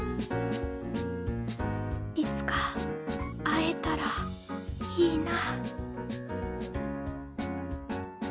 いつか会えたらいいな。